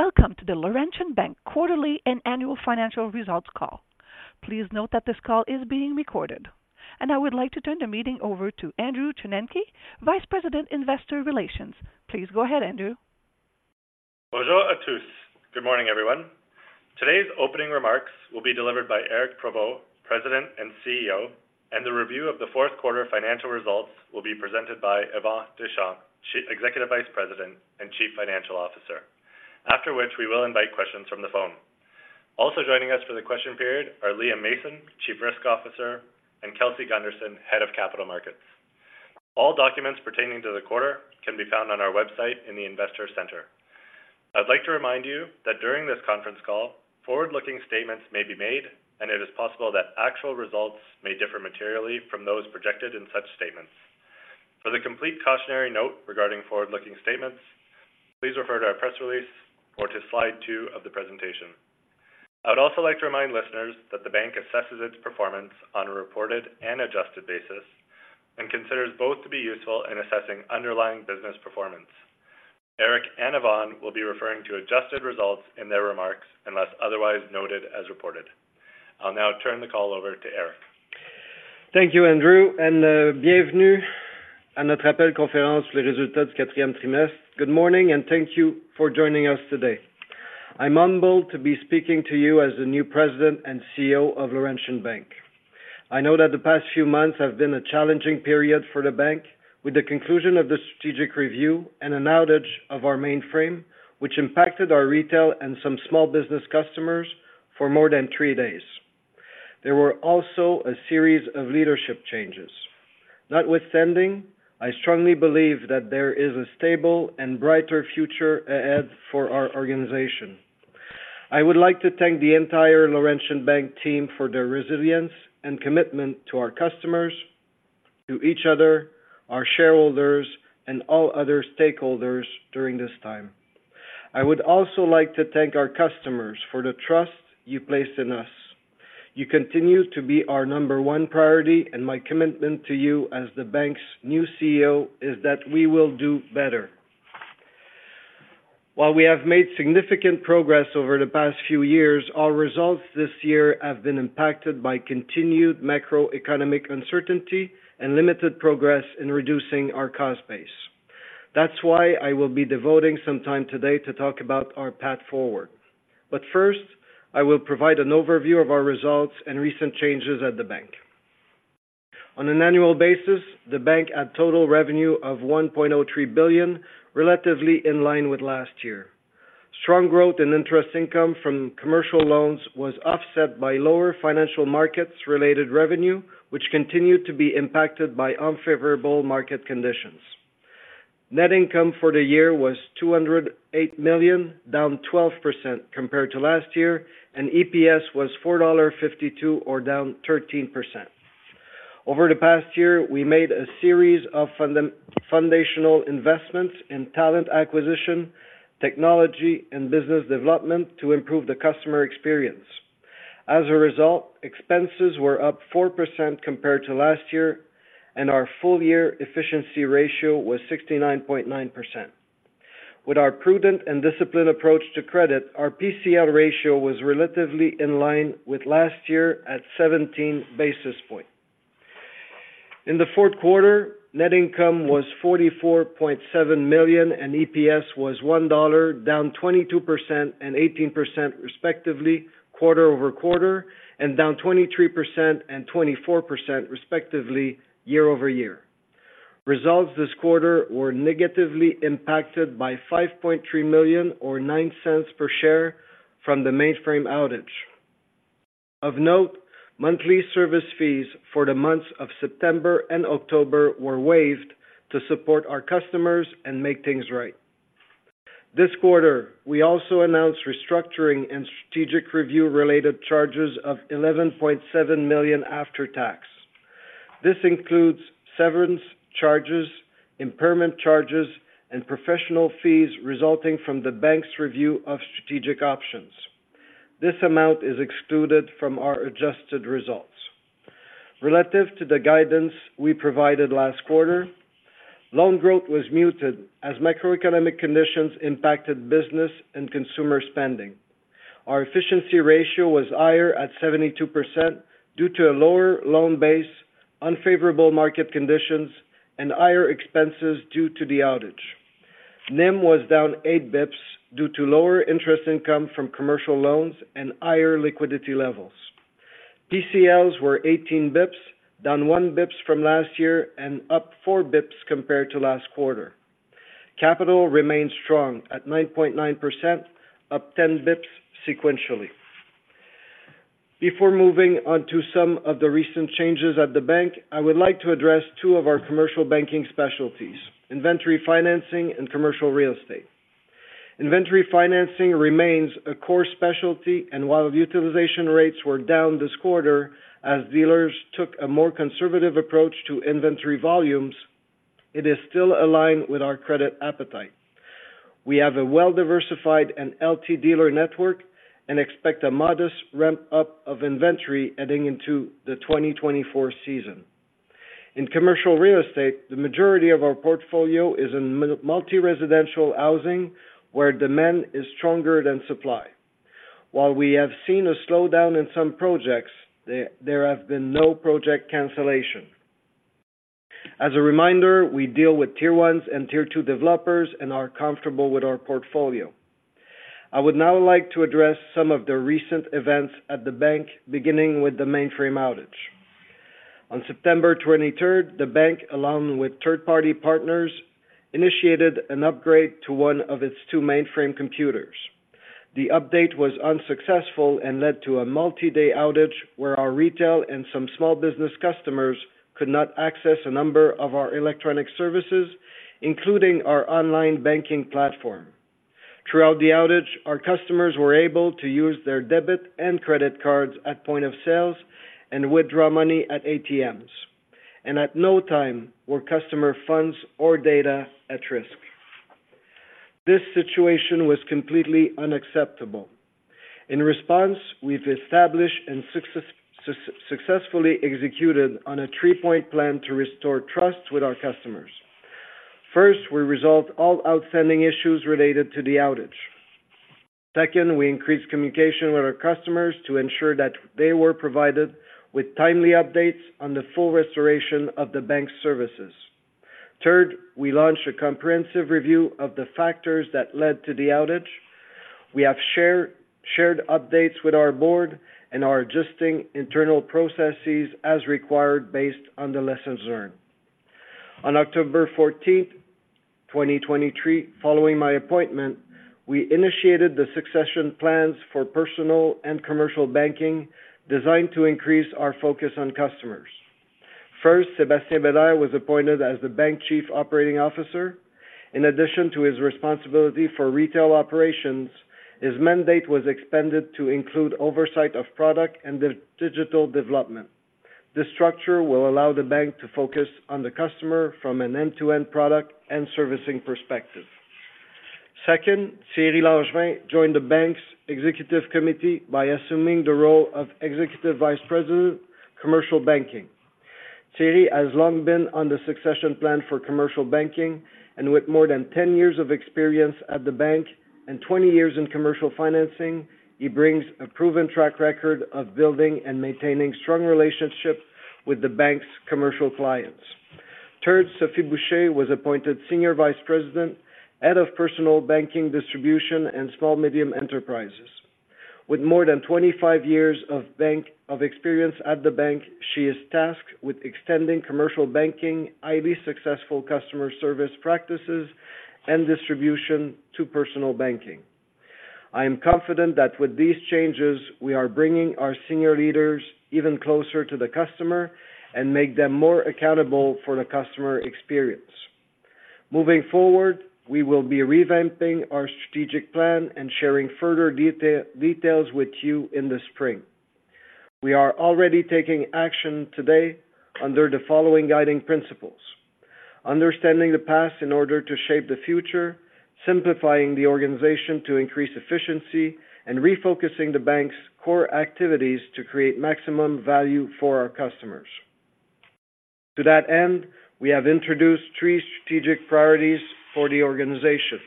Welcome to the Laurentian Bank Quarterly and Annual Financial Results Call. Please note that this call is being recorded. I would like to turn the meeting over to Andrew Chornenky, Vice President, Investor Relations. Please go ahead, Andrew. Bonjour à tous. Good morning, everyone. Today's opening remarks will be delivered by Éric Provost, President and CEO, and the review of the fourth quarter financial results will be presented by Yvan Deschamps, Executive Vice President and Chief Financial Officer, after which we will invite questions from the phone. Also joining us for the question period are Liam Mason, Chief Risk Officer, and Kelsey Gunderson, Head of Capital Markets. All documents pertaining to the quarter can be found on our website in the Investor Center. I'd like to remind you that during this conference call, forward-looking statements may be made, and it is possible that actual results may differ materially from those projected in such statements. For the complete cautionary note regarding forward-looking statements, please refer to our press release or to slide 2 of the presentation. I would also like to remind listeners that the bank assesses its performance on a reported and adjusted basis and considers both to be useful in assessing underlying business performance. Eric and Yvan will be referring to adjusted results in their remarks, unless otherwise noted as reported. I'll now turn the call over to Eric. Thank you, Andrew, and bienvenue à notre appel conférence les résultats du quatrième trimestre. Good morning, and thank you for joining us today. I'm humbled to be speaking to you as the new President and CEO of Laurentian Bank. I know that the past few months have been a challenging period for the bank, with the conclusion of the strategic review and an outage of our mainframe, which impacted our retail and some small business customers for more than three days. There were also a series of leadership changes. Notwithstanding, I strongly believe that there is a stable and brighter future ahead for our organization. I would like to thank the entire Laurentian Bank team for their resilience and commitment to our customers, to each other, our shareholders, and all other stakeholders during this time. I would also like to thank our customers for the trust you placed in us. You continue to be our number one priority, and my commitment to you as the bank's new CEO is that we will do better. While we have made significant progress over the past few years, our results this year have been impacted by continued macroeconomic uncertainty and limited progress in reducing our cost base. That's why I will be devoting some time today to talk about our path forward. But first, I will provide an overview of our results and recent changes at the bank. On an annual basis, the bank had total revenue of 1.03 billion, relatively in line with last year. Strong growth in interest income from commercial loans was offset by lower financial markets-related revenue, which continued to be impacted by unfavorable market conditions. Net income for the year was 208 million, down 12% compared to last year, and EPS was 4.52 dollar, or down 13%. Over the past year, we made a series of foundational investments in talent acquisition, technology, and business development to improve the customer experience. As a result, expenses were up 4% compared to last year, and our full-year efficiency ratio was 69.9%. With our prudent and disciplined approach to credit, our PCL ratio was relatively in line with last year at 17 basis points. In the fourth quarter, net income was 44.7 million, and EPS was 1 dollar, down 22% and 18% respectively, quarter-over-quarter, and down 23% and 24% respectively, year-over-year. Results this quarter were negatively impacted by 5.3 million, or 0.09 per share from the mainframe outage. Of note, monthly service fees for the months of September and October were waived to support our customers and make things right. This quarter, we also announced restructuring and strategic review-related charges of 11.7 million after tax. This includes severance charges, impairment charges, and professional fees resulting from the bank's review of strategic options. This amount is excluded from our adjusted results. Relative to the guidance we provided last quarter, loan growth was muted as macroeconomic conditions impacted business and consumer spending. Our efficiency ratio was higher at 72% due to a lower loan base, unfavorable market conditions, and higher expenses due to the outage. NIM was down 8 basis points due to lower interest income from commercial loans and higher liquidity levels. PCLs were 18 basis points, down 1 basis point from last year and up 4 basis points compared to last quarter. Capital remains strong at 9.9%, up 10 basis points sequentially. Before moving on to some of the recent changes at the bank, I would like to address two of our commercial banking specialties: inventory financing and commercial real estate. Inventory financing remains a core specialty, and while utilization rates were down this quarter, as dealers took a more conservative approach to inventory volumes, it is still aligned with our credit appetite. We have a well-diversified and healthy dealer network and expect a modest ramp-up of inventory heading into the 2024 season.... In commercial real estate, the majority of our portfolio is in multi-residential housing, where demand is stronger than supply. While we have seen a slowdown in some projects, there have been no project cancellation. As a reminder, we deal with Tier 1s and Tier 2 developers and are comfortable with our portfolio. I would now like to address some of the recent events at the bank, beginning with the mainframe outage. On September 23rd, the bank, along with third-party partners, initiated an upgrade to one of its two mainframe computers. The update was unsuccessful and led to a multi-day outage, where our retail and some small business customers could not access a number of our electronic services, including our online banking platform. Throughout the outage, our customers were able to use their debit and credit cards at point of sale and withdraw money at ATMs, and at no time were customer funds or data at risk. This situation was completely unacceptable. In response, we've established and successfully executed on a three-point plan to restore trust with our customers. First, we resolved all outstanding issues related to the outage. Second, we increased communication with our customers to ensure that they were provided with timely updates on the full restoration of the bank's services. Third, we launched a comprehensive review of the factors that led to the outage. We have shared updates with our board and are adjusting internal processes as required, based on the lessons learned. On October 14, 2023, following my appointment, we initiated the succession plans for personal and commercial banking, designed to increase our focus on customers. First, Sébastien Bélair was appointed as the bank's Chief Operating Officer. In addition to his responsibility for retail operations, his mandate was expanded to include oversight of product and digital development. This structure will allow the bank to focus on the customer from an end-to-end product and servicing perspective. Second, Thierry Langevin joined the bank's executive committee by assuming the role of Executive Vice President, Commercial Banking. Thierry has long been on the succession plan for commercial banking, and with more than 10 years of experience at the bank and 20 years in commercial financing, he brings a proven track record of building and maintaining strong relationships with the bank's commercial clients. Third, Sophie Boucher was appointed Senior Vice President, Head of Personal Banking, Distribution, and Small, Medium Enterprises. With more than 25 years of experience at the bank, she is tasked with extending commercial banking, highly successful customer service practices, and distribution to personal banking. I am confident that with these changes, we are bringing our senior leaders even closer to the customer and make them more accountable for the customer experience. Moving forward, we will be revamping our strategic plan and sharing further detail, details with you in the spring. We are already taking action today under the following guiding principles: understanding the past in order to shape the future, simplifying the organization to increase efficiency, and refocusing the bank's core activities to create maximum value for our customers. To that end, we have introduced three strategic priorities for the organization.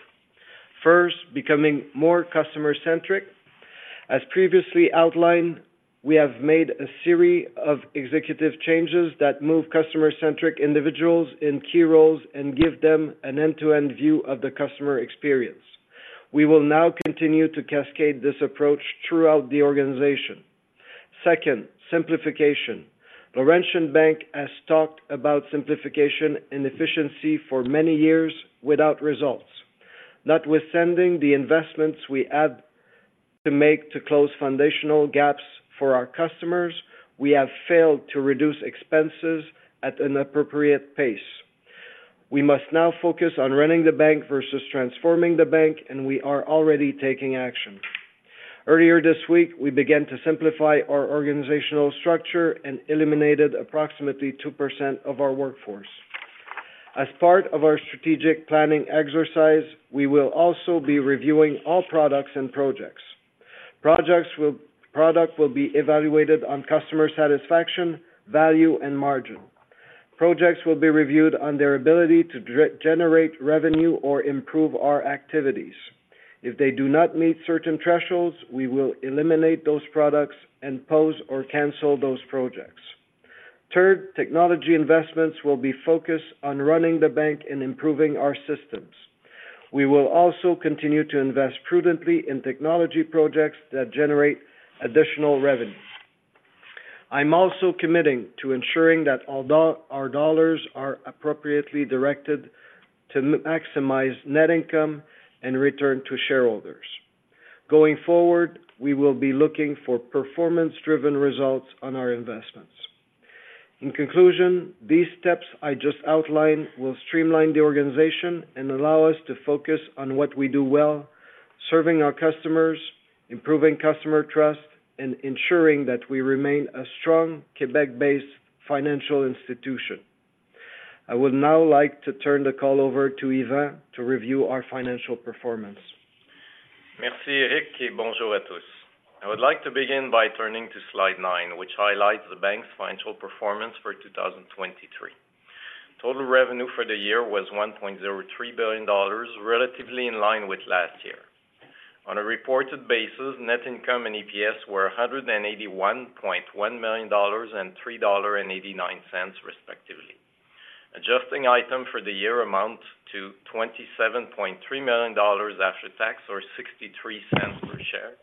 First, becoming more customer-centric. As previously outlined, we have made a series of executive changes that move customer-centric individuals in key roles and give them an end-to-end view of the customer experience. We will now continue to cascade this approach throughout the organization. Second, simplification. Laurentian Bank has talked about simplification and efficiency for many years without results. Notwithstanding the investments we had to make to close foundational gaps for our customers, we have failed to reduce expenses at an appropriate pace. We must now focus on running the bank versus transforming the bank, and we are already taking action. Earlier this week, we began to simplify our organizational structure and eliminated approximately 2% of our workforce. As part of our strategic planning exercise, we will also be reviewing all products and projects. Products will be evaluated on customer satisfaction, value, and margin. Projects will be reviewed on their ability to generate revenue or improve our activities. If they do not meet certain thresholds, we will eliminate those products and pause or cancel those projects. Third, technology investments will be focused on running the bank and improving our systems. We will also continue to invest prudently in technology projects that generate additional revenue. I'm also committing to ensuring that all of our dollars are appropriately directed to maximize net income and return to shareholders. Going forward, we will be looking for performance-driven results on our investments. In conclusion, these steps I just outlined will streamline the organization and allow us to focus on what we do well: serving our customers, improving customer trust, and ensuring that we remain a strong Quebec-based financial institution. I would now like to turn the call over to Yvan to review our financial performance.... Merci, Éric, et bonjour à tous. I would like to begin by turning to slide 9, which highlights the bank's financial performance for 2023. Total revenue for the year was 1.03 billion dollars, relatively in line with last year. On a reported basis, net income and EPS were 181.1 million dollars and 3.89 dollar, respectively. Adjusting item for the year amount to 27.3 million dollars after tax, or 0.63 per share,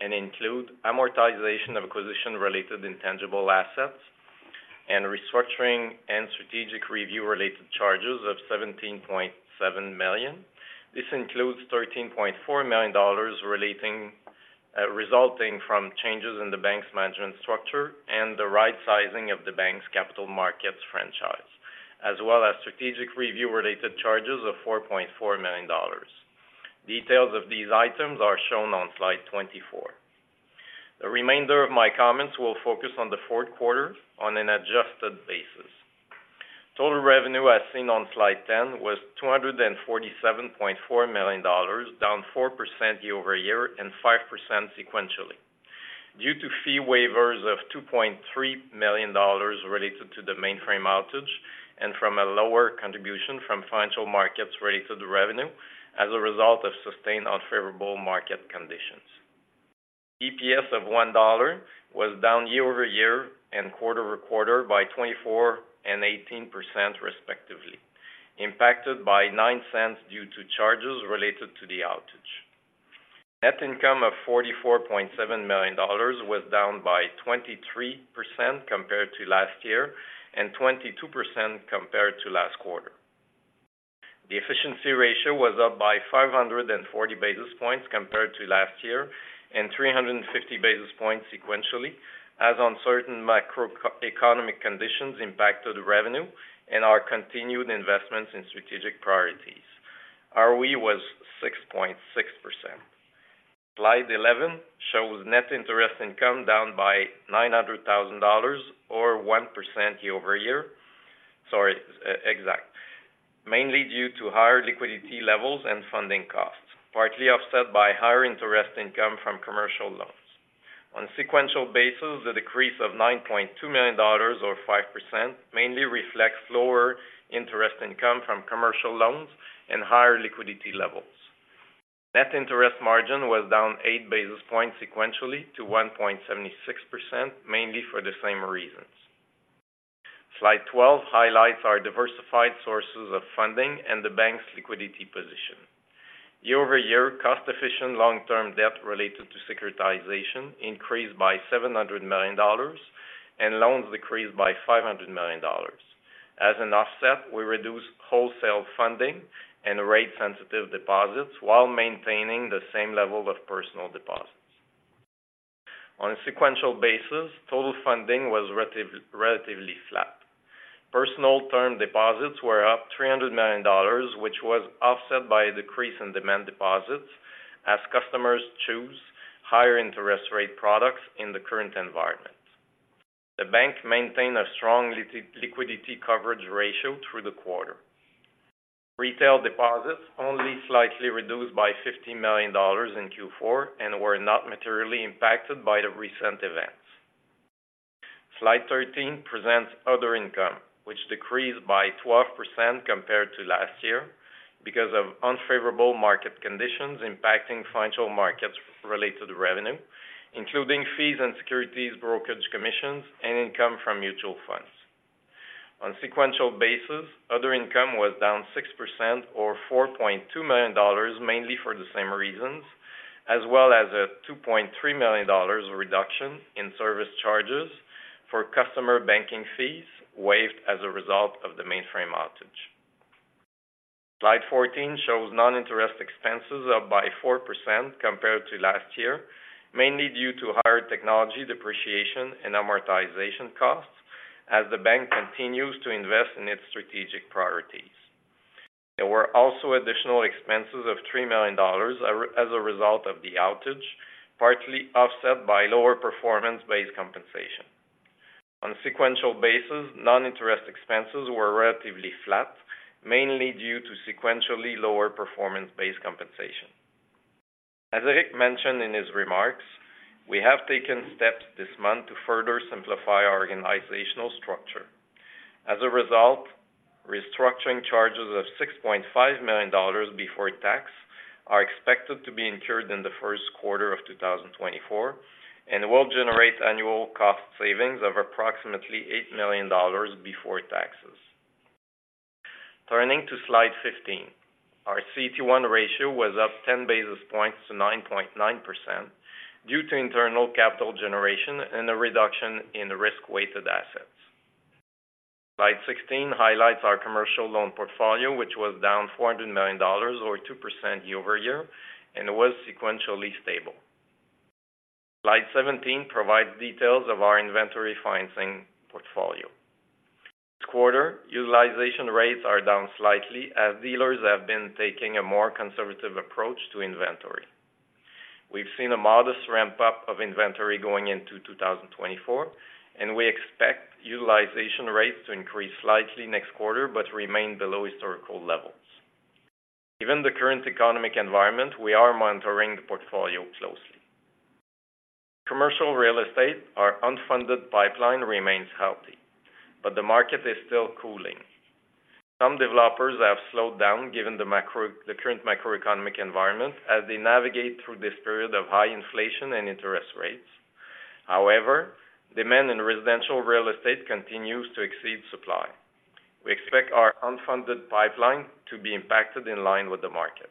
and include amortization of acquisition-related intangible assets and restructuring and strategic review-related charges of 17.7 million. This includes 13.4 million dollars relating, resulting from changes in the bank's management structure and the right sizing of the bank's capital markets franchise, as well as strategic review-related charges of 4.4 million dollars. Details of these items are shown on slide 24. The remainder of my comments will focus on the fourth quarter on an adjusted basis. Total revenue, as seen on Slide 10, was 247.4 million dollars, down 4% year-over-year and 5% sequentially, due to fee waivers of 2.3 million dollars related to the mainframe outage and from a lower contribution from financial markets related to revenue as a result of sustained unfavorable market conditions. EPS of 1 dollar was down year-over-year and quarter-over-quarter by 24% and 18%, respectively, impacted by 0.09 due to charges related to the outage. Net income of 44.7 million dollars was down by 23% compared to last year and 22% compared to last quarter. The efficiency ratio was up by 540 basis points compared to last year and 350 basis points sequentially, as uncertain macro-economic conditions impacted revenue and our continued investments in strategic priorities. ROE was 6.6%. Slide 11 shows net interest income down by 900,000 dollars, or 1% year-over-year. Sorry, exact, mainly due to higher liquidity levels and funding costs, partly offset by higher interest income from commercial loans. On a sequential basis, the decrease of 9.2 million dollars, or 5%, mainly reflects lower interest income from commercial loans and higher liquidity levels. Net interest margin was down 8 basis points sequentially to 1.76%, mainly for the same reasons. Slide 12 highlights our diversified sources of funding and the bank's liquidity position. Year-over-year, cost-efficient long-term debt related to securitization increased by 700 million dollars, and loans decreased by 500 million dollars. As an offset, we reduced wholesale funding and rate-sensitive deposits while maintaining the same level of personal deposits. On a sequential basis, total funding was relatively flat. Personal term deposits were up 300 million dollars, which was offset by a decrease in demand deposits as customers choose higher interest rate products in the current environment. The bank maintained a strong Liquidity Coverage Ratio through the quarter. Retail deposits only slightly reduced by 50 million dollars in Q4 and were not materially impacted by the recent events. Slide 13 presents other income, which decreased by 12% compared to last year because of unfavorable market conditions impacting financial markets related to revenue, including fees and securities, brokerage commissions, and income from mutual funds. On sequential basis, other income was down 6% or 4.2 million dollars, mainly for the same reasons, as well as a 2.3 million dollars reduction in service charges for customer banking fees waived as a result of the mainframe outage. Slide 14 shows non-interest expenses up by 4% compared to last year, mainly due to higher technology depreciation and amortization costs as the bank continues to invest in its strategic priorities. There were also additional expenses of 3 million dollars as a result of the outage, partly offset by lower performance-based compensation. On a sequential basis, non-interest expenses were relatively flat, mainly due to sequentially lower performance-based compensation. As Éric mentioned in his remarks, we have taken steps this month to further simplify our organizational structure. As a result, restructuring charges of 6.5 million dollars before tax are expected to be incurred in the first quarter of 2024, and will generate annual cost savings of approximately 8 million dollars before taxes. Turning to Slide 15, our CET1 ratio was up 10 basis points to 9.9% due to internal capital generation and a reduction in risk-weighted assets. Slide 16 highlights our commercial loan portfolio, which was down 400 million dollars, or 2% year-over-year, and was sequentially stable. Slide 17 provides details of our inventory financing portfolio. This quarter, utilization rates are down slightly, as dealers have been taking a more conservative approach to inventory.... We've seen a modest ramp-up of inventory going into 2024, and we expect utilization rates to increase slightly next quarter, but remain below historical levels. Given the current economic environment, we are monitoring the portfolio closely. Commercial real estate, our unfunded pipeline remains healthy, but the market is still cooling. Some developers have slowed down, given the current macroeconomic environment, as they navigate through this period of high inflation and interest rates. However, demand in residential real estate continues to exceed supply. We expect our unfunded pipeline to be impacted in line with the market.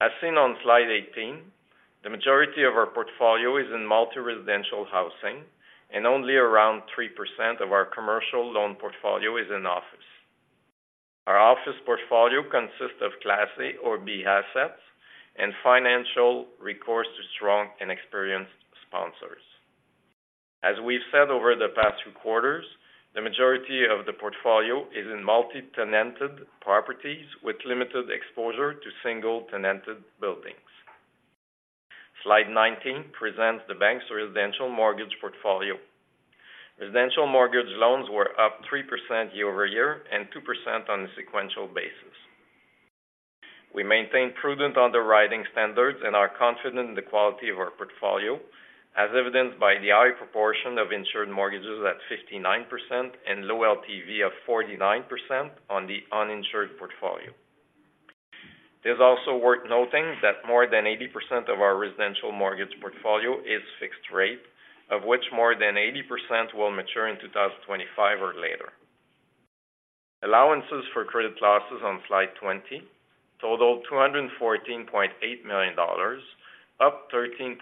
As seen on slide 18, the majority of our portfolio is in multi-residential housing, and only around 3% of our commercial loan portfolio is in office. Our office portfolio consists of Class A or B assets and financial recourse to strong and experienced sponsors. As we've said over the past few quarters, the majority of the portfolio is in multi-tenanted properties with limited exposure to single-tenanted buildings. Slide 19 presents the bank's residential mortgage portfolio. Residential mortgage loans were up 3% year-over-year and 2% on a sequential basis. We maintain prudent underwriting standards and are confident in the quality of our portfolio, as evidenced by the high proportion of insured mortgages at 59% and low LTV of 49% on the uninsured portfolio. It is also worth noting that more than 80% of our residential mortgage portfolio is fixed rate, of which more than 80% will mature in 2025 or later. Allowances for credit losses on slide 20 totaled 214.8 million dollars, up 13.6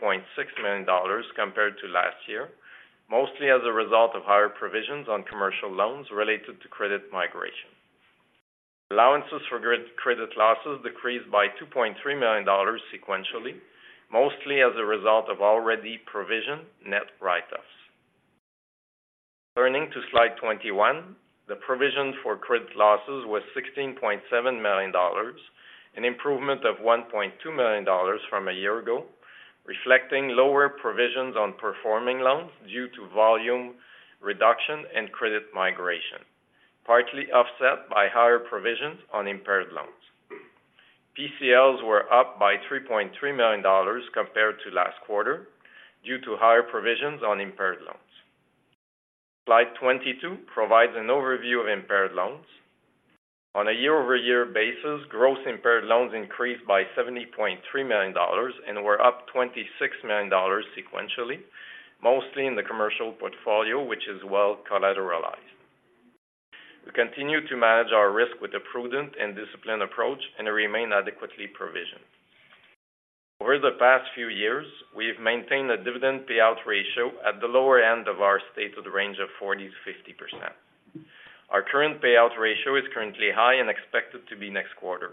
million dollars compared to last year, mostly as a result of higher provisions on commercial loans related to credit migration. Allowances for credit losses decreased by 2.3 million dollars sequentially, mostly as a result of already provisioned net write-offs. Turning to slide 21, the provision for credit losses was 16.7 million dollars, an improvement of 1.2 million dollars from a year ago, reflecting lower provisions on performing loans due to volume reduction and credit migration, partly offset by higher provisions on impaired loans. PCLs were up by 3.3 million dollars compared to last quarter due to higher provisions on impaired loans. Slide 22 provides an overview of impaired loans. On a year-over-year basis, gross impaired loans increased by 70.3 million dollars and were up 26 million dollars sequentially, mostly in the commercial portfolio, which is well collateralized. We continue to manage our risk with a prudent and disciplined approach and remain adequately provisioned. Over the past few years, we've maintained a dividend payout ratio at the lower end of our stated range of 40%-50%. Our current payout ratio is currently high and expected to be next quarter.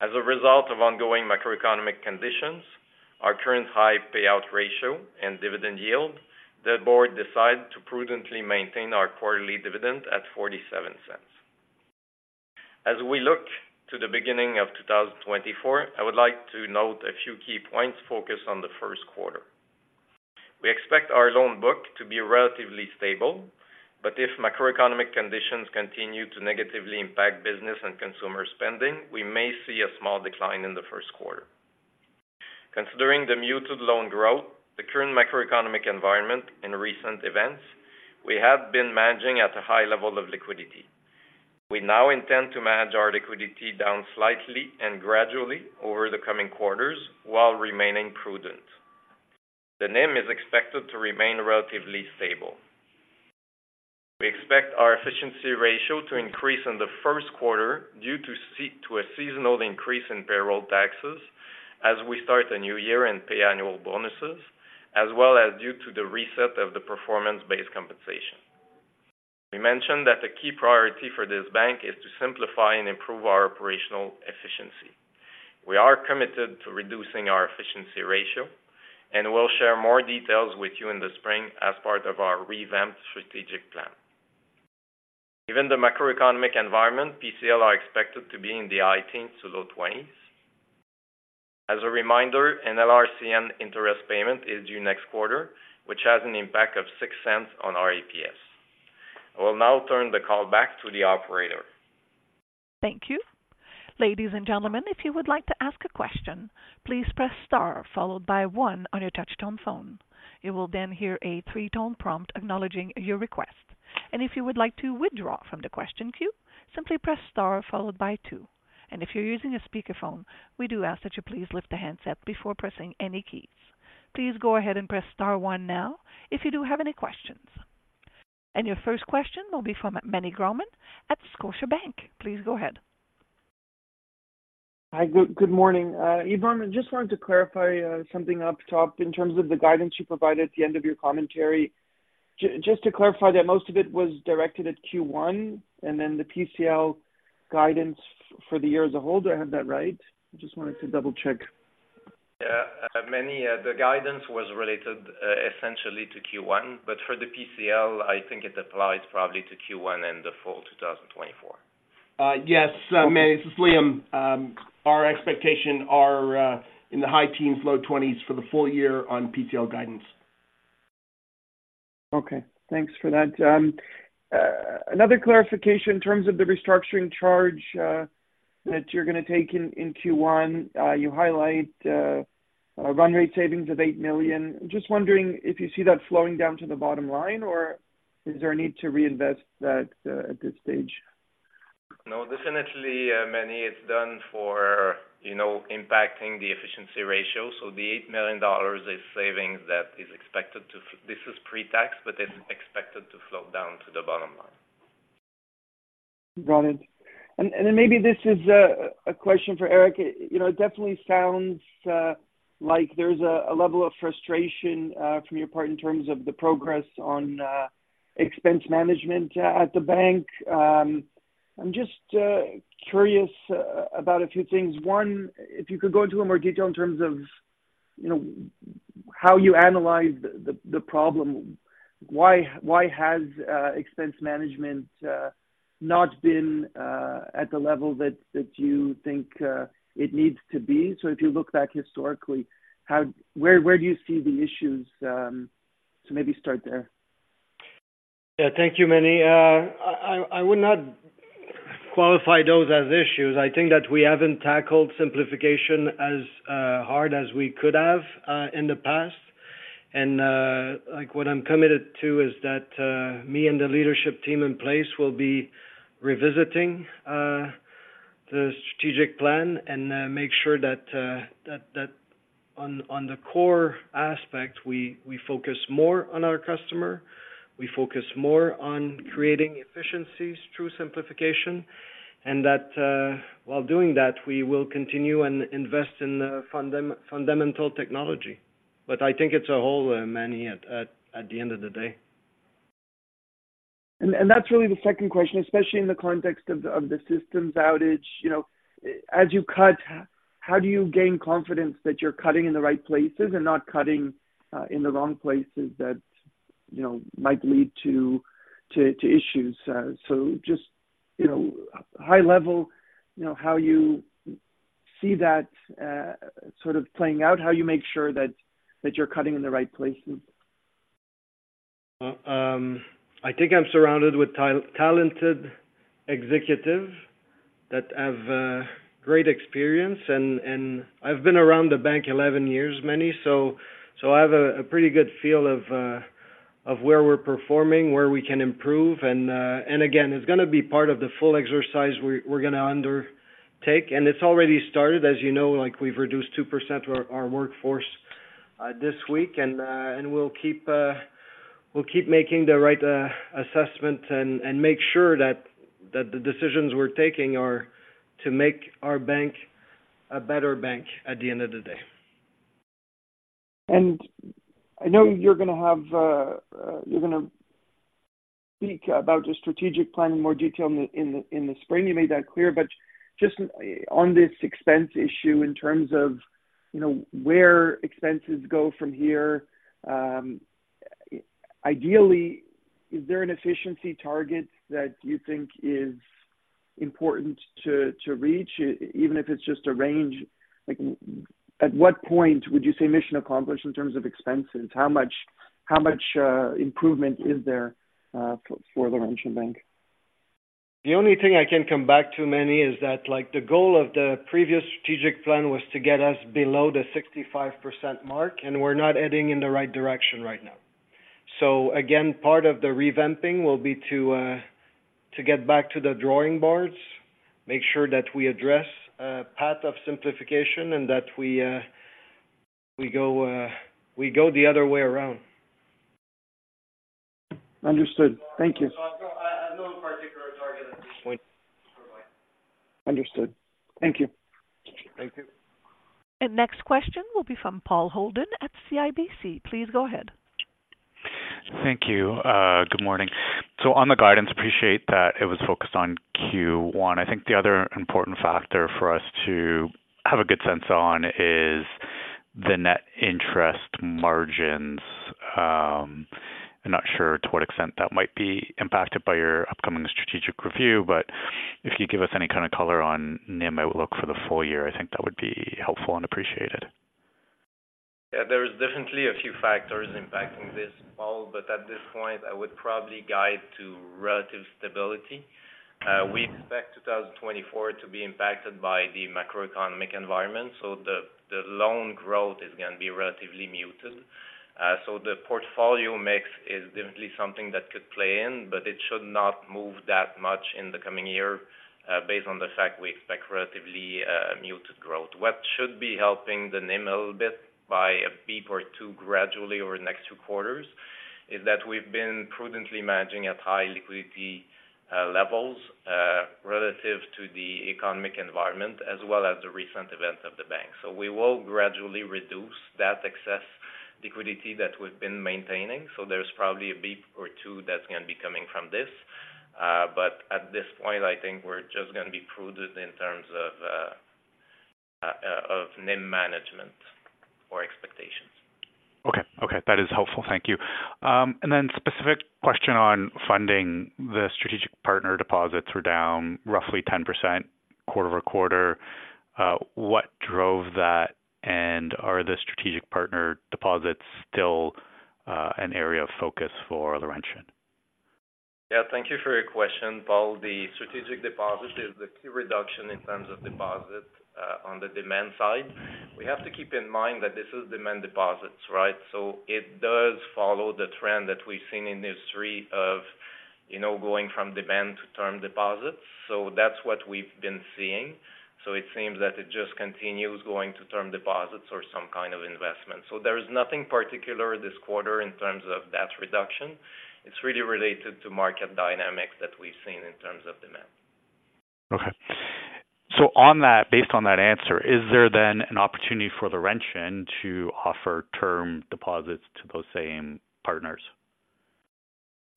As a result of ongoing macroeconomic conditions, our current high payout ratio and dividend yield, the board decided to prudently maintain our quarterly dividend at 0.47. As we look to the beginning of 2024, I would like to note a few key points focused on the first quarter. We expect our loan book to be relatively stable, but if macroeconomic conditions continue to negatively impact business and consumer spending, we may see a small decline in the first quarter. Considering the muted loan growth, the current macroeconomic environment in recent events, we have been managing at a high level of liquidity. We now intend to manage our liquidity down slightly and gradually over the coming quarters while remaining prudent. The NIM is expected to remain relatively stable. We expect our efficiency ratio to increase in the first quarter due to a seasonal increase in payroll taxes as we start a new year and pay annual bonuses, as well as due to the reset of the performance-based compensation. We mentioned that the key priority for this bank is to simplify and improve our operational efficiency. We are committed to reducing our efficiency ratio, and we'll share more details with you in the spring as part of our revamped strategic plan. Given the macroeconomic environment, PCL are expected to be in the high teens to low twenties. As a reminder, an LRCN interest payment is due next quarter, which has an impact of 0.06 on our EPS. I will now turn the call back to the operator. Thank you. Ladies and gentlemen, if you would like to ask a question, please press star followed by one on your touchtone phone. You will then hear a three-tone prompt acknowledging your request. If you would like to withdraw from the question queue, simply press star followed by two. If you're using a speakerphone, we do ask that you please lift the handset before pressing any keys. Please go ahead and press star one now, if you do have any questions. Your first question will be from Meny Grauman at Scotiabank. Please go ahead. Hi, good, good morning. Yvan, I just wanted to clarify something up top in terms of the guidance you provided at the end of your commentary. Just to clarify that, most of it was directed at Q1 and then the PCL guidance for the year as a whole. Do I have that right? I just wanted to double-check. Yeah, Meny, the guidance was related, essentially to Q1, but for the PCL, I think it applies probably to Q1 and the fall 2024.... Yes, Meny, this is Liam. Our expectations are in the high teens, low twenties for the full year on PCL guidance. Okay, thanks for that. Another clarification in terms of the restructuring charge that you're gonna take in Q1. You highlight a run rate savings of 8 million. Just wondering if you see that flowing down to the bottom line, or is there a need to reinvest that at this stage? No, definitely, Meny, it's done for, you know, impacting the efficiency ratio. So the 8 million dollars is savings that is expected to—this is pre-tax, but it's expected to flow down to the bottom line. Got it. And then maybe this is a question for Éric. You know, it definitely sounds like there's a level of frustration from your part in terms of the progress on expense management at the bank. I'm just curious about a few things. One, if you could go into more detail in terms of, you know, how you analyze the problem. Why has expense management not been at the level that you think it needs to be? So if you look back historically, how, where do you see the issues, so maybe start there. Yeah, thank you, Meny. I would not qualify those as issues. I think that we haven't tackled simplification as hard as we could have in the past. And, like, what I'm committed to is that me and the leadership team in place will be revisiting the strategic plan and make sure that on the core aspect, we focus more on our customer, we focus more on creating efficiencies through simplification, and that while doing that, we will continue and invest in fundamental technology. But I think it's a whole, Meny, at the end of the day. And that's really the second question, especially in the context of the systems outage. You know, as you cut, how do you gain confidence that you're cutting in the right places and not cutting in the wrong places that, you know, might lead to issues? So just, you know, high level, you know, how you see that sort of playing out, how you make sure that you're cutting in the right places. I think I'm surrounded with talented executives that have great experience. I've been around the bank 11 years, Meny, so I have a pretty good feel of where we're performing, where we can improve. And again, it's gonna be part of the full exercise we're gonna undertake. And it's already started, as you know, like, we've reduced 2% of our workforce this week. And we'll keep making the right assessment and make sure that the decisions we're taking are to make our bank a better bank at the end of the day. I know you're gonna speak about the strategic plan in more detail in the spring. You made that clear. But just on this expense issue, in terms of, you know, where expenses go from here, ideally, is there an efficiency target that you think is important to reach, even if it's just a range? Like, at what point would you say mission accomplished in terms of expenses? How much improvement is there for the National Bank? The only thing I can come back to, Meny, is that, like, the goal of the previous strategic plan was to get us below the 65% mark, and we're not heading in the right direction right now. So again, part of the revamping will be to get back to the drawing boards, make sure that we address a path of simplification, and that we go the other way around. Understood. Thank you. No particular target at this point. Understood. Thank you. Thank you. Next question will be from Paul Holden at CIBC. Please go ahead. Thank you. Good morning. So on the guidance, appreciate that it was focused on Q1. I think the other important factor for us to have a good sense on is the net interest margins. I'm not sure to what extent that might be impacted by your upcoming strategic review, but if you give us any kind of color on NIM outlook for the full year, I think that would be helpful and appreciated. Yeah, there is definitely a few factors impacting this, Paul, but at this point, I would probably guide to relative stability. We expect 2024 to be impacted by the macroeconomic environment, so the loan growth is going to be relatively muted. So the portfolio mix is definitely something that could play in, but it should not move that much in the coming year, based on the fact we expect relatively muted growth. What should be helping the NIM a little bit by a basis point or two gradually over the next two quarters is that we've been prudently managing at high liquidity levels relative to the economic environment, as well as the recent events of the bank. So we will gradually reduce that excess liquidity that we've been maintaining. So there's probably a basis point or two that's going to be coming from this. But at this point, I think we're just gonna be prudent in terms of, of NIM management or expectations.... Okay, that is helpful. Thank you. And then specific question on funding. The strategic partner deposits were down roughly 10% quarter-over-quarter. What drove that? And are the strategic partner deposits still an area of focus for Laurentian? Yeah, thank you for your question, Paul. The strategic deposit is the key reduction in terms of deposits on the demand side. We have to keep in mind that this is demand deposits, right? So it does follow the trend that we've seen in history of, you know, going from demand to term deposits. So that's what we've been seeing. So it seems that it just continues going to term deposits or some kind of investment. So there is nothing particular this quarter in terms of that reduction. It's really related to market dynamics that we've seen in terms of demand. Okay. On that, based on that answer, is there then an opportunity for Laurentian to offer term deposits to those same partners?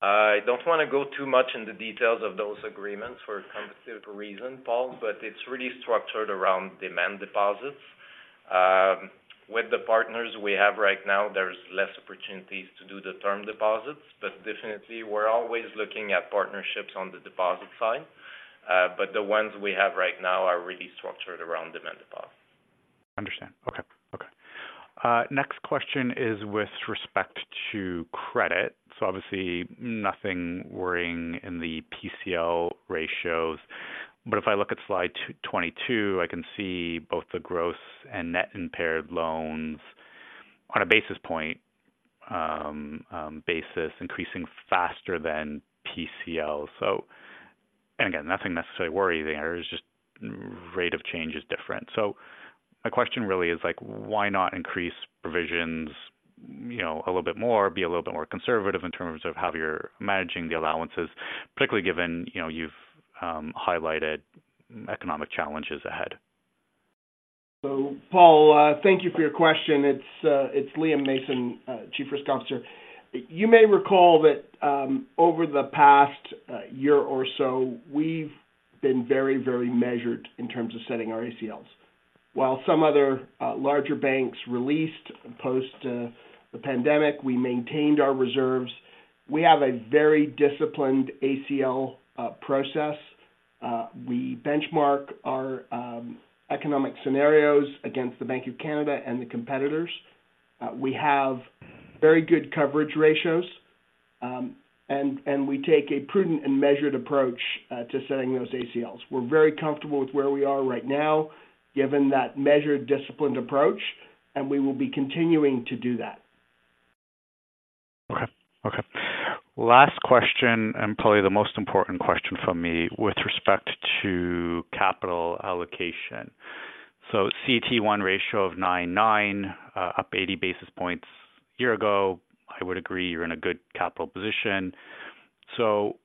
I don't want to go too much in the details of those agreements for competitive reasons, Paul, but it's really structured around demand deposits. With the partners we have right now, there's less opportunities to do the term deposits, but definitely we're always looking at partnerships on the deposit side. But the ones we have right now are really structured around demand deposits. Understand. Okay. Okay. Next question is with respect to credit. So obviously nothing worrying in the PCL ratios, but if I look at slide 22, I can see both the gross and net impaired loans on a basis point basis increasing faster than PCL. And again, nothing necessarily worrying there. It's just rate of change is different. So my question really is like, why not increase provisions, you know, a little bit more? Be a little bit more conservative in terms of how you're managing the allowances, particularly given, you know, you've highlighted economic challenges ahead. Paul, thank you for your question. It's Liam Mason, Chief Risk Officer. You may recall that over the past year or so, we've been very, very measured in terms of setting our ACLs. While some other larger banks released post the pandemic, we maintained our reserves. We have a very disciplined ACL process. We benchmark our economic scenarios against the Bank of Canada and the competitors. We have very good coverage ratios, and we take a prudent and measured approach to setting those ACLs. We're very comfortable with where we are right now, given that measured, disciplined approach, and we will be continuing to do that. Okay. Okay. Last question, and probably the most important question from me with respect to capital allocation. So CET1 ratio of 9.9, up 80 basis points a year ago. I would agree, you're in a good capital position. So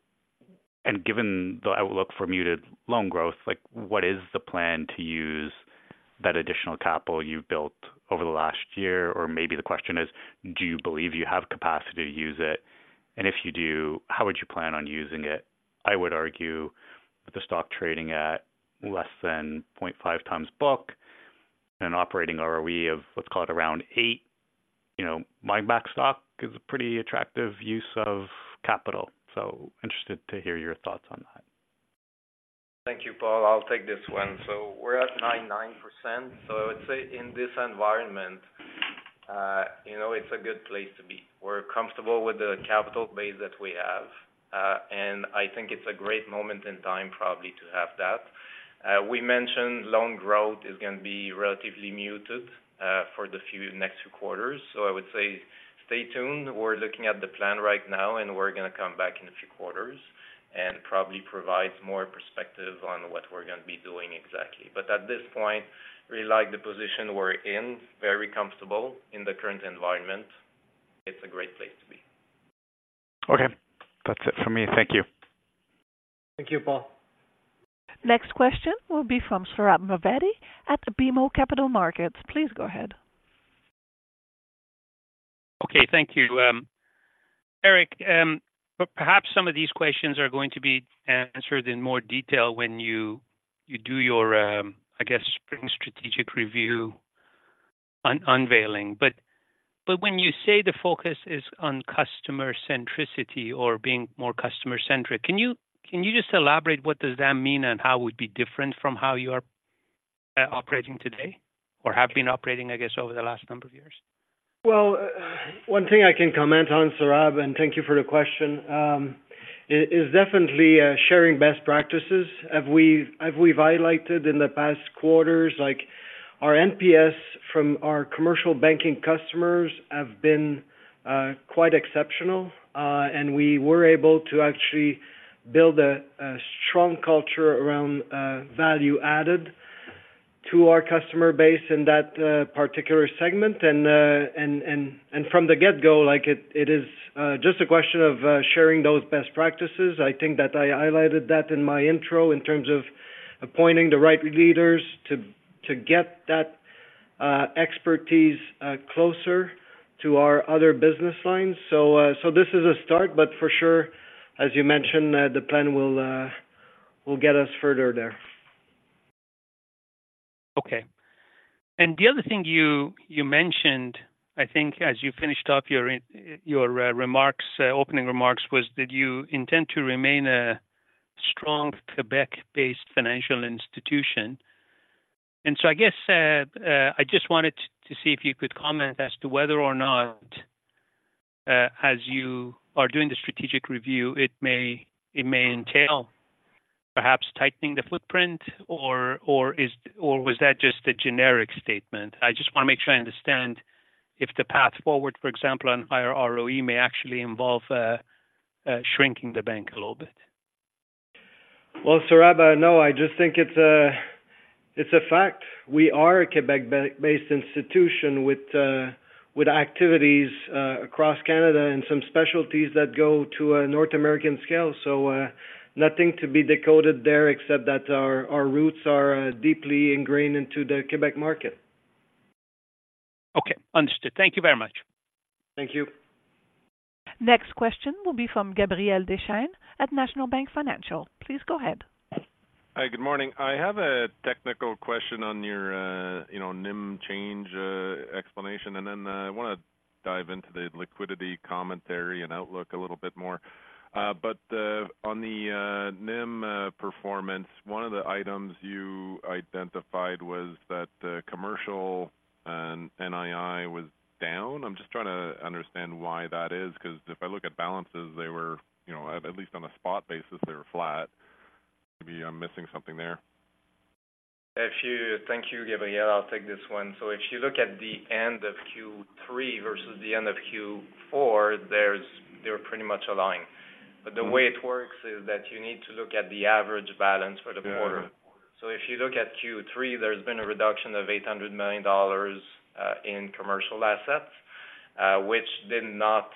and given the outlook for muted loan growth, like, what is the plan to use that additional capital you've built over the last year? Or maybe the question is: do you believe you have capacity to use it? And if you do, how would you plan on using it? I would argue with the stock trading at less than 0.5x book and an operating ROE of, let's call it, around 8. You know, buying back stock is a pretty attractive use of capital. So interested to hear your thoughts on that. Thank you, Paul. I'll take this one. So we're at 99%. So I would say in this environment, you know, it's a good place to be. We're comfortable with the capital base that we have, and I think it's a great moment in time, probably, to have that. We mentioned loan growth is going to be relatively muted for the next few quarters. So I would say stay tuned. We're looking at the plan right now, and we're going to come back in a few quarters and probably provide more perspective on what we're going to be doing exactly. But at this point, we like the position we're in, very comfortable in the current environment. It's a great place to be. Okay, that's it for me. Thank you. Thank you, Paul. Next question will be from Sohrab Movahedi at BMO Capital Markets. Please go ahead. Okay, thank you. Éric, perhaps some of these questions are going to be answered in more detail when you do your, I guess, spring strategic review unveiling. But when you say the focus is on customer centricity or being more customer-centric, can you just elaborate what does that mean and how it would be different from how you are operating today or have been operating, I guess, over the last number of years? Well, one thing I can comment on, Sohrab, and thank you for the question, is definitely sharing best practices. As we've highlighted in the past quarters, like our NPS from our commercial banking customers, have been quite exceptional, and we were able to actually build a strong culture around value-added to our customer base in that particular segment. And from the get-go, like, it is just a question of sharing those best practices. I think that I highlighted that in my intro in terms of appointing the right leaders to get that expertise closer to our other business lines. So this is a start, but for sure, as you mentioned, the plan will get us further there. ...Okay. And the other thing you mentioned, I think, as you finished up your opening remarks, was that you intend to remain a strong Quebec-based financial institution. And so I guess I just wanted to see if you could comment as to whether or not, as you are doing the strategic review, it may entail perhaps tightening the footprint, or is, or was that just a generic statement? I just want to make sure I understand if the path forward, for example, on higher ROE may actually involve shrinking the bank a little bit. Well, Sohrab, no, I just think it's a, it's a fact. We are a Quebec-based institution with, with activities, across Canada and some specialties that go to a North American scale. So, nothing to be decoded there except that our, our roots are, deeply ingrained into the Quebec market. Okay, understood. Thank you very much. Thank you. Next question will be from Gabriel Dechaine at National Bank Financial. Please go ahead. Hi, good morning. I have a technical question on your, you know, NIM change, explanation, and then, I want to dive into the liquidity commentary and outlook a little bit more. But, on the, NIM, performance, one of the items you identified was that the commercial and NII was down. I'm just trying to understand why that is, because if I look at balances, they were, you know, at least on a spot basis, they were flat. Maybe I'm missing something there. Thank you, Gabriel. I'll take this one. So if you look at the end of Q3 versus the end of Q4, there's, they're pretty much aligned. Mm-hmm. The way it works is that you need to look at the average balance for the quarter. Yeah. So if you look at Q3, there's been a reduction of 800 million dollars in commercial assets, which did not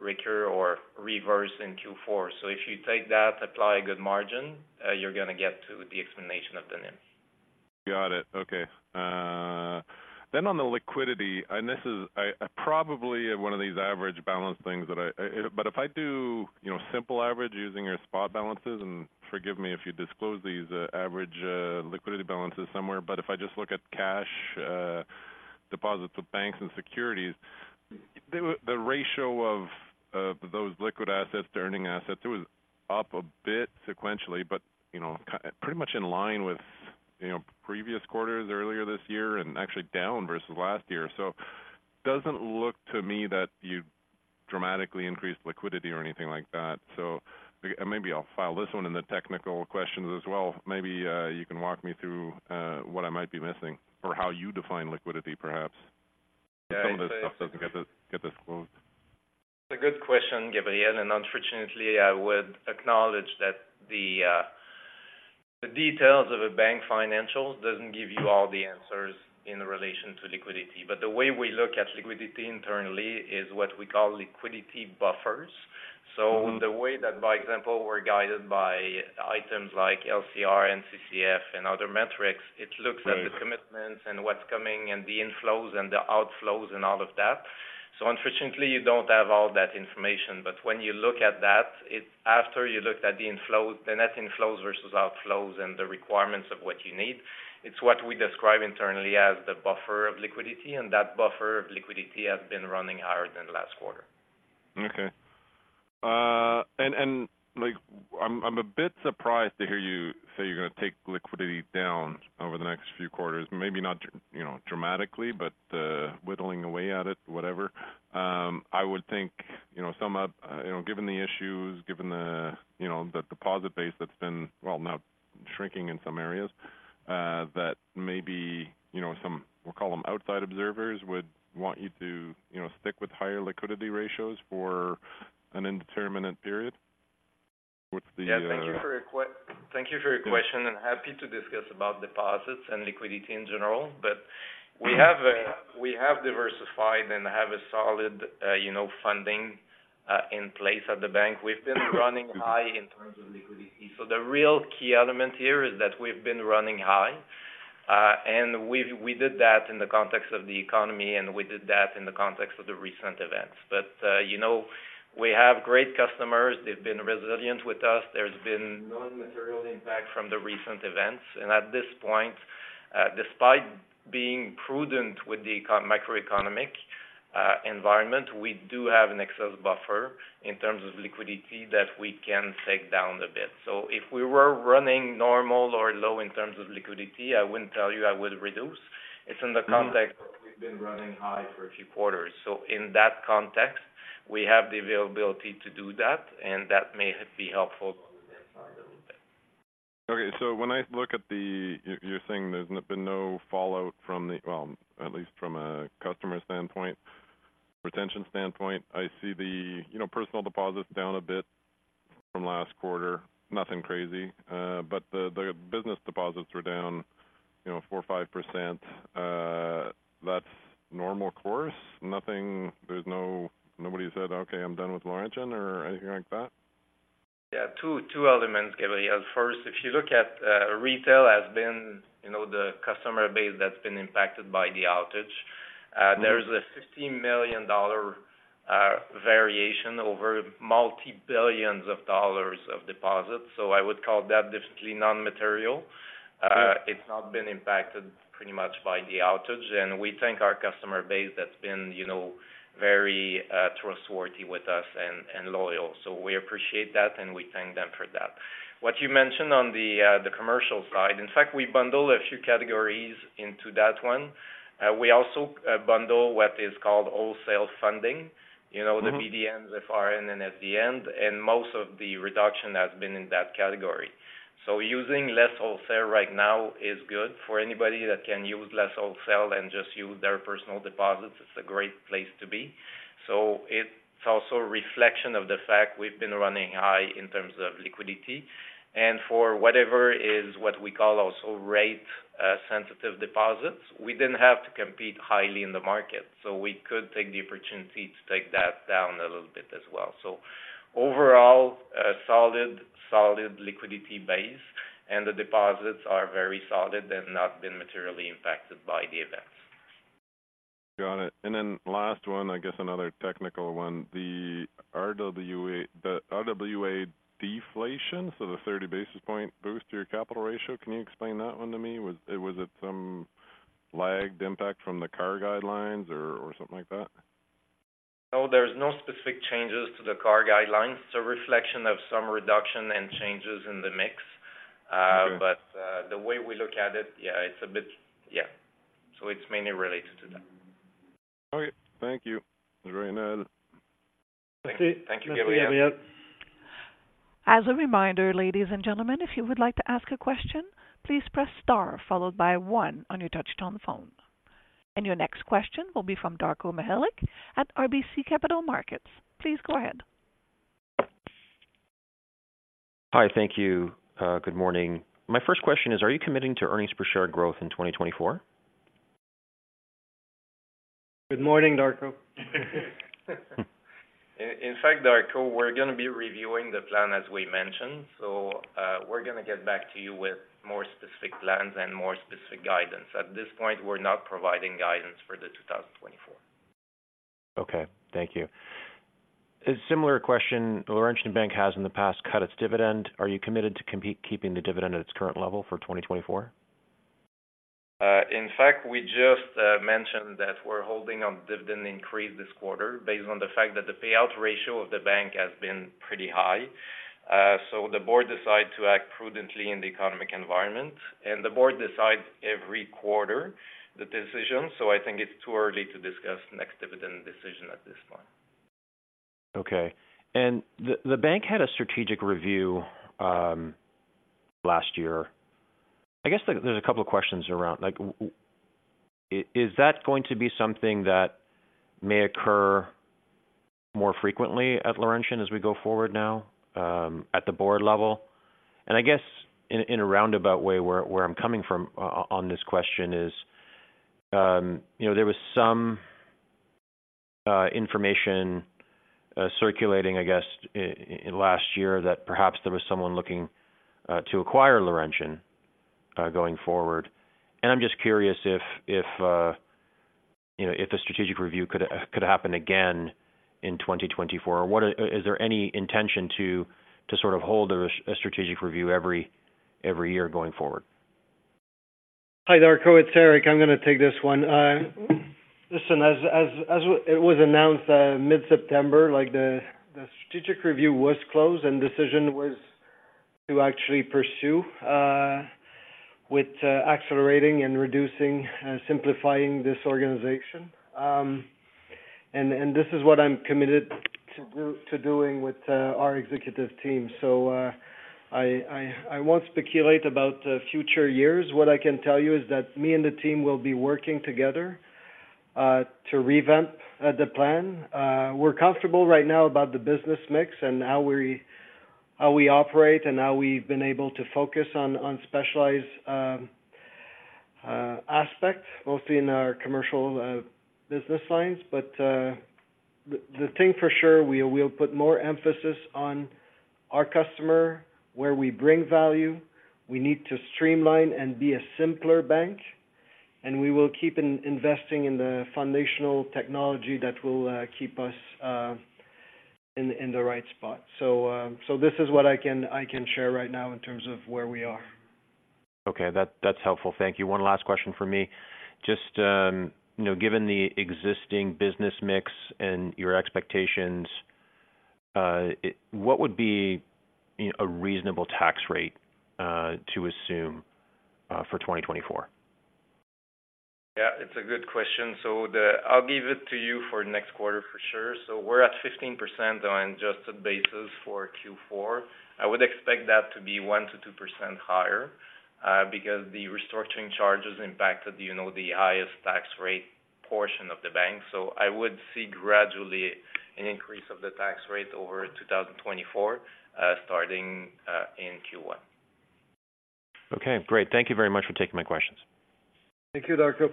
recur or reverse in Q4. So if you take that, apply a good margin, you're gonna get to the explanation of the NIM. Got it. Okay. Then on the liquidity, and this is probably one of these average balance things that I... But if I do, you know, simple average using your spot balances, and forgive me if you disclose these average liquidity balances somewhere, but if I just look at cash deposits of banks and securities, the ratio of those liquid assets to earning assets, it was up a bit sequentially, but, you know, pretty much in line with, you know, previous quarters earlier this year and actually down versus last year. So doesn't look to me that you dramatically increased liquidity or anything like that. So maybe I'll file this one in the technical questions as well. Maybe you can walk me through what I might be missing or how you define liquidity, perhaps. Some of this stuff doesn't get disclosed. It's a good question, Gabriel, and unfortunately, I would acknowledge that the details of a bank financials doesn't give you all the answers in relation to liquidity. But the way we look at liquidity internally is what we call liquidity buffers. Mm-hmm. The way that, by example, we're guided by items like LCR, NCCF, and other metrics, it looks- Right... at the commitments and what's coming and the inflows and the outflows and all of that. So unfortunately, you don't have all that information, but when you look at that, it's after you looked at the inflows, the net inflows versus outflows and the requirements of what you need, it's what we describe internally as the buffer of liquidity, and that buffer of liquidity has been running higher than last quarter. Okay. And like I'm a bit surprised to hear you say you're going to take liquidity down over the next few quarters. Maybe not, you know, dramatically, but whittling away at it, whatever. I would think, you know, some of, you know, given the issues, given the, you know, the deposit base that's been, well, not shrinking in some areas, that maybe, you know, some, we'll call them outside observers, would want you to, you know, stick with higher liquidity ratios for an indeterminate period. What's the Yeah, thank you for your question. Yeah. I'm happy to discuss about deposits and liquidity in general, but- Mm-hmm... we have, we have diversified and have a solid, you know, funding, in place at the bank. We've been running high in terms of liquidity. So the real key element here is that we've been running high, and we've, we did that in the context of the economy, and we did that in the context of the recent events. But, you know, we have great customers. They've been resilient with us. There's been non-material impact from the recent events. And at this point, despite being prudent with the macroeconomic, environment, we do have an excess buffer in terms of liquidity that we can take down a bit. So if we were running normal or low in terms of liquidity, I wouldn't tell you I would reduce. It's in the context of we've been running high for a few quarters. In that context, we have the availability to do that, and that may be helpful on the next side a little bit. Okay. So when I look at... You're saying there's been no fallout from the, well, at least from a customer standpoint, retention standpoint. I see the, you know, personal deposits down a bit from last quarter. Nothing crazy, but the business deposits are down, you know, 4% or 5%. That's normal course? Nothing. There's no, nobody said, "Okay, I'm done with Laurentian," or anything like that? Yeah, two, two elements, Gabriel. First, if you look at retail, you know, the customer base that's been impacted by the outage. Mm-hmm. There's a 50 million dollar variation over multi billions CAD of deposits, so I would call that definitely non-material. It's not been impacted pretty much by the outage, and we thank our customer base that's been, you know, very trustworthy with us and loyal. So we appreciate that, and we thank them for that. What you mentioned on the commercial side, in fact, we bundle a few categories into that one. We also bundle what is called wholesale funding. You know, the BDNs, FRN, and SDN, and most of the reduction has been in that category. So using less wholesale right now is good. For anybody that can use less wholesale and just use their personal deposits, it's a great place to be. So it's also a reflection of the fact we've been running high in terms of liquidity, and for whatever is what we call also rate, sensitive deposits, we didn't have to compete highly in the market, so we could take the opportunity to take that down a little bit as well. So overall, a solid, solid liquidity base, and the deposits are very solid and not been materially impacted by the events. Got it. And then last one, I guess another technical one. The RWA deflation, so the 30 basis point boost to your capital ratio, can you explain that one to me? Was it some lagged impact from the CAR guidelines or, or something like that? No, there's no specific changes to the CAR guidelines. It's a reflection of some reduction and changes in the mix. Okay. But the way we look at it, yeah, it's a bit... Yeah. So it's mainly related to that. Okay. Thank you, Yvan. Thank you. Thank you, Gabriel. As a reminder, ladies and gentlemen, if you would like to ask a question, please press star followed by one on your touchtone phone. Your next question will be from Darko Mihelic at RBC Capital Markets. Please go ahead. Hi, thank you. Good morning. My first question is, are you committing to earnings per share growth in 2024? Good morning, Darko. In fact, Darko, we're going to be reviewing the plan, as we mentioned, so we're going to get back to you with more specific plans and more specific guidance. At this point, we're not providing guidance for 2024. Okay, thank you. A similar question: Laurentian Bank has in the past cut its dividend. Are you committed to keeping the dividend at its current level for 2024? In fact, we just mentioned that we're holding on dividend increase this quarter based on the fact that the payout ratio of the bank has been pretty high. So the board decide to act prudently in the economic environment, and the board decides every quarter the decision, so I think it's too early to discuss next dividend decision at this point. Okay. And the bank had a strategic review last year. I guess there's a couple of questions around, like, is that going to be something that may occur more frequently at Laurentian as we go forward now at the board level? And I guess in a roundabout way, where I'm coming from on this question is, you know, there was some information circulating, I guess, last year, that perhaps there was someone looking to acquire Laurentian going forward. And I'm just curious if you know, if a strategic review could happen again in 2024, or is there any intention to sort of hold a strategic review every year going forward? Hi, Darko, it's Éric. I'm going to take this one. Listen, as it was announced mid-September, like, the strategic review was closed, and decision was to actually pursue with accelerating and reducing and simplifying this organization. And this is what I'm committed to doing with our executive team. So, I won't speculate about future years. What I can tell you is that me and the team will be working together to revamp the plan. We're comfortable right now about the business mix and how we operate, and how we've been able to focus on specialized aspects, mostly in our commercial business lines. But the thing for sure, we'll put more emphasis on our customer, where we bring value. We need to streamline and be a simpler bank, and we will keep investing in the foundational technology that will keep us in the right spot. So this is what I can share right now in terms of where we are. Okay, that, that's helpful. Thank you. One last question for me. Just, you know, given the existing business mix and your expectations, what would be a reasonable tax rate to assume for 2024? Yeah, it's a good question. So the... I'll give it to you for next quarter for sure. So we're at 15% on adjusted basis for Q4. I would expect that to be 1%-2% higher, because the restructuring charges impacted, you know, the highest tax rate portion of the bank. So I would see gradually an increase of the tax rate over 2024, starting in Q1. Okay, great. Thank you very much for taking my questions. Thank you, Darko.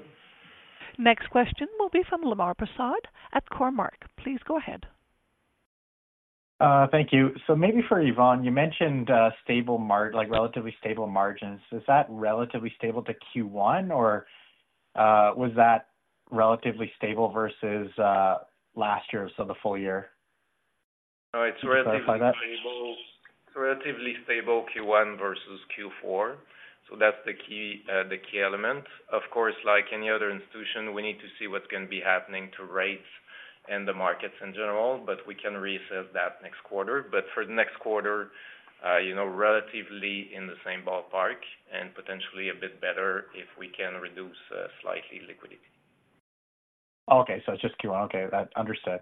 Next question will be from Lemar Persaud at Cormark. Please go ahead.... Thank you. So maybe for Yvan, you mentioned stable like, relatively stable margins. Is that relatively stable to Q1, or was that relatively stable versus last year, so the full year? No, it's relatively stable, relatively stable Q1 versus Q4, so that's the key, the key element. Of course, like any other institution, we need to see what's going to be happening to rates and the markets in general, but we can reassess that next quarter. But for the next quarter, you know, relatively in the same ballpark and potentially a bit better if we can reduce, slightly liquidity. Okay. So it's just Q1. Okay, that, understood.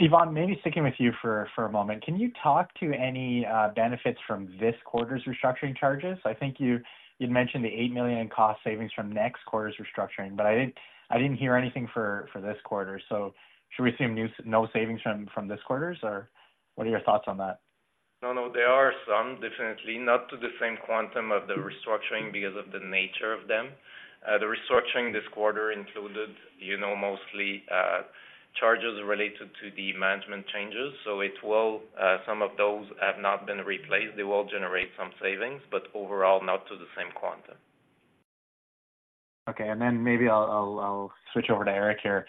Yvan, maybe sticking with you for a moment. Can you talk to any benefits from this quarter's restructuring charges? I think you, you'd mentioned the 8 million in cost savings from next quarter's restructuring, but I didn't, I didn't hear anything for this quarter. So should we assume no savings from this quarter's, or what are your thoughts on that? No, no, there are some definitely. Not to the same quantum of the restructuring because of the nature of them. The restructuring this quarter included, you know, mostly charges related to the management changes. So it will, some of those have not been replaced. They will generate some savings, but overall, not to the same quantum. Okay, and then maybe I'll switch over to Éric here.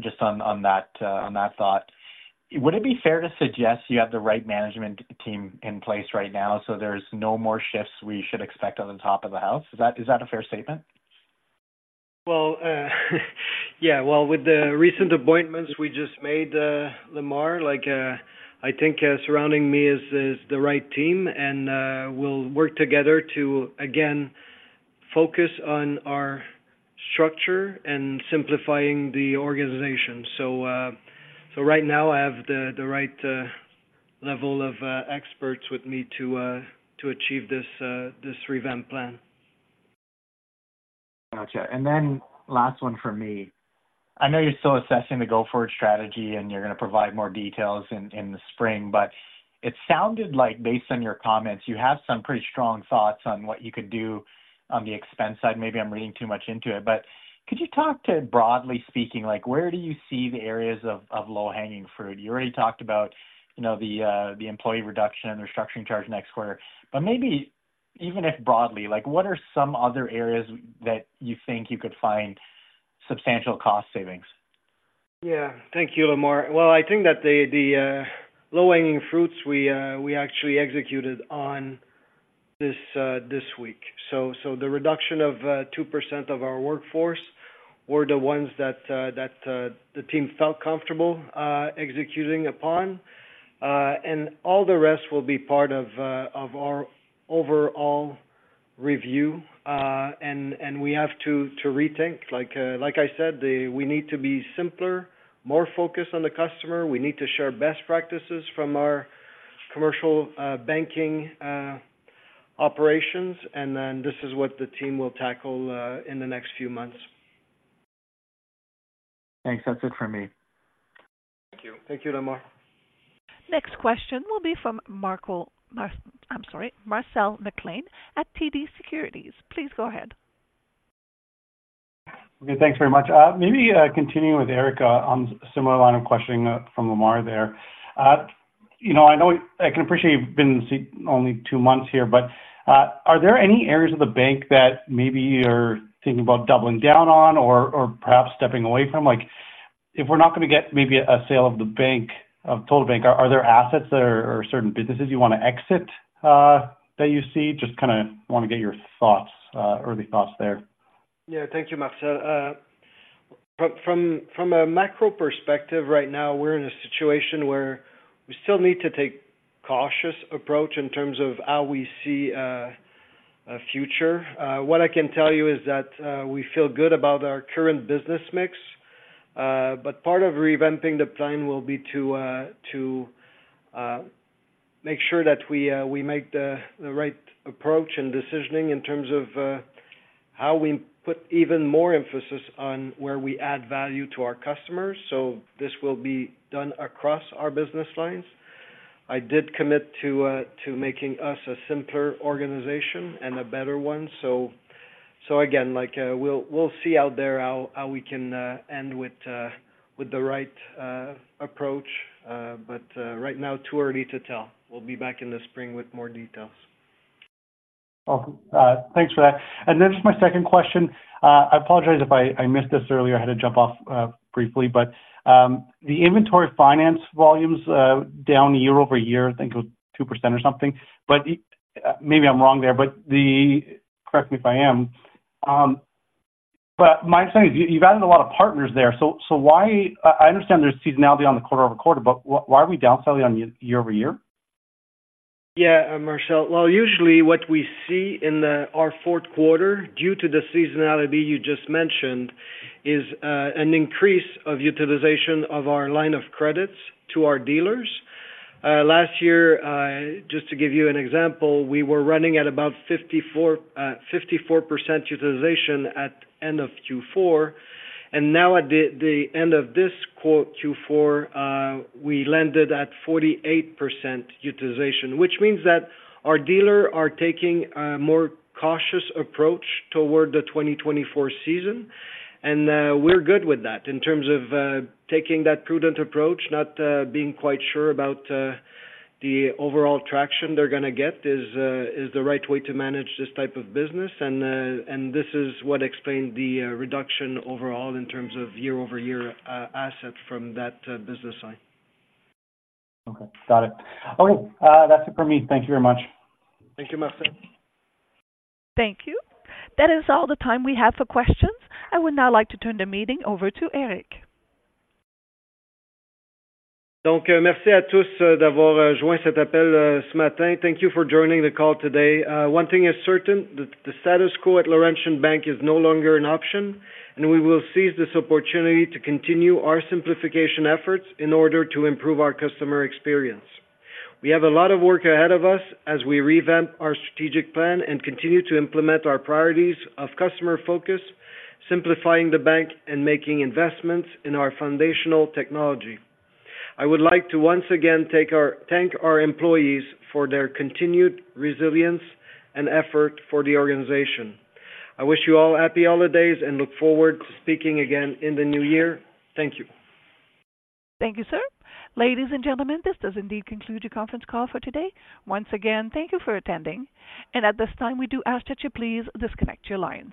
Just on that thought. Would it be fair to suggest you have the right management team in place right now, so there's no more shifts we should expect on the top of the house? Is that a fair statement? Well, yeah. Well, with the recent appointments we just made, Lemar, like, I think, surrounding me is, is the right team, and, we'll work together to again, focus on our structure and simplifying the organization. So, so right now I have the, the right, level of, experts with me to, to achieve this, this revamp plan. Gotcha. And then last one for me. I know you're still assessing the go-forward strategy, and you're going to provide more details in, in the spring, but it sounded like based on your comments, you have some pretty strong thoughts on what you could do on the expense side. Maybe I'm reading too much into it, but could you talk to, broadly speaking, like, where do you see the areas of, of low-hanging fruit? You already talked about, you know, the, the employee reduction and restructuring charge next quarter. But maybe even if broadly, like, what are some other areas that you think you could find substantial cost savings? Yeah. Thank you, Lemar. Well, I think that the low-hanging fruits we actually executed on this week. So the reduction of 2% of our workforce were the ones that the team felt comfortable executing upon. And all the rest will be part of our overall review. And we have to rethink, like I said, we need to be simpler, more focused on the customer. We need to share best practices from our commercial banking operations, and then this is what the team will tackle in the next few months. Thanks. That's it for me. Thank you. Thank you, Lemar. Next question will be from Marcel... I'm sorry, Marcel McLean at TD Securities. Please go ahead. Okay, thanks very much. Maybe, continuing with Éric, on a similar line of questioning from Lemar there. You know, I know—I can appreciate you've been in seat only two months here, but, are there any areas of the bank that maybe you're thinking about doubling down on or, or perhaps stepping away from? Like, if we're not going to get maybe a sale of the bank, of total bank, are there assets or, or certain businesses you want to exit, that you see? Just kinda want to get your thoughts, early thoughts there. Yeah. Thank you, Marcel. From a macro perspective, right now, we're in a situation where we still need to take a cautious approach in terms of how we see a future. What I can tell you is that we feel good about our current business mix, but part of revamping the plan will be to make sure that we make the right approach and decisioning in terms of how we put even more emphasis on where we add value to our customers. So this will be done across our business lines. I did commit to making us a simpler organization and a better one. So again, like, we'll see out there how we can end with the right approach, but right now, too early to tell. We'll be back in the spring with more details. Okay. Thanks for that. And then just my second question. I apologize if I missed this earlier. I had to jump off briefly, but the inventory finance volumes down year-over-year, I think it was 2% or something, but maybe I'm wrong there. But the... Correct me if I am, but my understanding is you've added a lot of partners there, so why— I understand there's seasonality on the quarter-over-quarter, but why are we down selling on year-over-year? Yeah, Marcel. Well, usually what we see in our fourth quarter, due to the seasonality you just mentioned, is an increase of utilization of our line of credits to our dealers. Last year, just to give you an example, we were running at about 54, 54% utilization at end of Q4, and now at the end of this quarter, Q4, we ended at 48% utilization, which means that our dealers are taking a more cautious approach toward the 2024 season. And, we're good with that in terms of taking that prudent approach, not being quite sure about the overall traction they're going to get is the right way to manage this type of business. And this is what explained the reduction overall in terms of year-over-year assets from that business side. Okay, got it. Okay, that's it for me. Thank you very much. Thank you, Marcel. Thank you. That is all the time we have for questions. I would now like to turn the meeting over to Éric. Thank you for joining the call today. One thing is certain, the status quo at Laurentian Bank is no longer an option, and we will seize this opportunity to continue our simplification efforts in order to improve our customer experience. We have a lot of work ahead of us as we revamp our strategic plan and continue to implement our priorities of customer focus, simplifying the bank, and making investments in our foundational technology. I would like to once again thank our employees for their continued resilience and effort for the organization. I wish you all happy holidays and look forward to speaking again in the new year. Thank you. Thank you, sir. Ladies and gentlemen, this does indeed conclude the conference call for today. Once again, thank you for attending. At this time, we do ask that you please disconnect your lines.